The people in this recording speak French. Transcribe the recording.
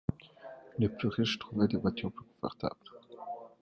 Les plus riches trouvaient des voitures plus confortables.